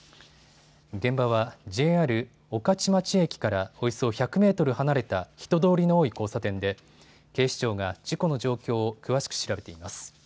現場はＪＲ御徒町駅からおよそ１００メートル離れた人通りの多い交差点で警視庁が事故の状況を詳しく調べています。